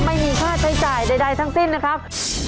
ไม่มีค่าใช้จ่ายใดทั้งสิ้นนะครับ